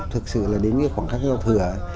thực sự là đến khoảng cách giao thừa